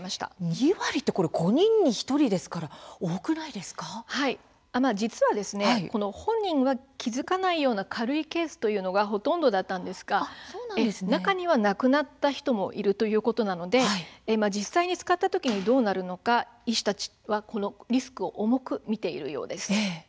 ２割というのは５人に１人ですから実は本人は気付かないような軽いケースがほとんどだったんですが中には亡くなった人もいるということなので実際に使った時にどうなるのか医師たちはこのリスクを重く見ているようです。